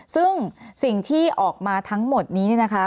ซึ่งสิ่งที่ออกมาทั้งหมดนี้เนี่ยนะคะ